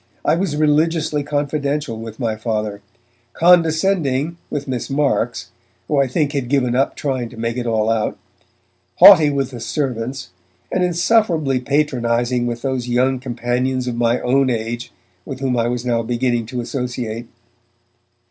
I was religiously confidential with my Father, condescending with Miss Marks (who I think had given up trying to make it all out), haughty with the servants, and insufferably patronizing with those young companions of my own age with whom I was now beginning to associate.